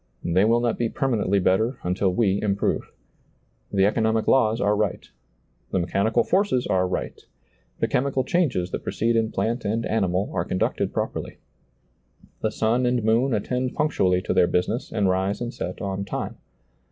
They will not be per manently better until we improve. The economic laws are right. The mechanical forces are right. The chemical changes that proceed in plant and animal are conducted properly. The sun and moon attend punctually to their business and rise and set on time.